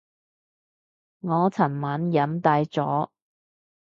我尋晚飲大咗